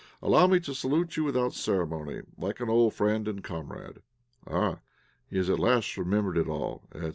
'Allow me to salute you without ceremony, and like an old friend and comrade' Ah! he has at last remembered it all," etc.